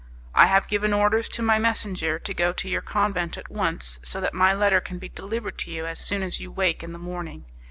"I have given orders to my messenger to go to your convent at once, so that my letter can be delivered to you as soon as you wake in the morning.